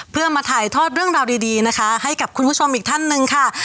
เพื่อมาถ่ายทอดเรื่องราวดีนะคะให้กับคุณผู้ชมอีกท่านหนึ่งค่ะ